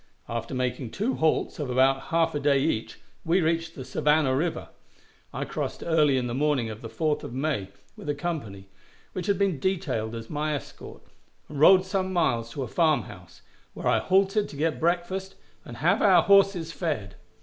After making two halts of about half a day each, we reached the Savannah River. I crossed early in the morning of the 4th of May, with a company, which had been detailed as my escort, and rode some miles to a farmhouse, where I halted to get breakfast and have our horses fed.